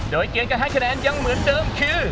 โดยเกณฑ์การร้องการรอบนื่นนักยังเหมือนเดิมคือ